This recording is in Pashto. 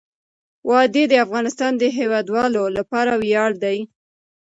وادي د افغانستان د هیوادوالو لپاره ویاړ دی.